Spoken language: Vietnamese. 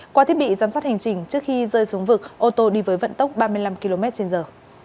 qua thiết bị giám sát hành trình trước khi rơi xuống vực ô tô đi với vận tốc ba mươi năm km trên giờ